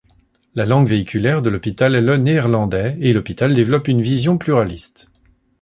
La langue véhiculaire de l'hôpital est le néerlandais, et l'hôpital développe une vision pluraliste.